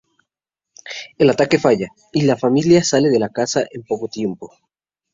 El ataque falla, y la familia sale de la casa en poco tiempo.